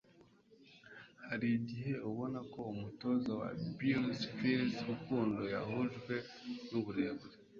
Hari igihe ubona ko umutoza wa Bulls Phil Rukundo yahujwe nuburebure